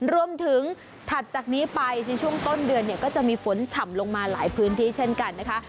ถัดจากนี้ไปในช่วงต้นเดือนเนี่ยก็จะมีฝนฉ่ำลงมาหลายพื้นที่เช่นกันนะคะ